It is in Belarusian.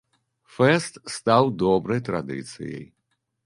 Фэст стаў добрай традыцыяй.